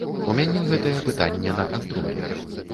У мяне гэтае пытанне на кантролі.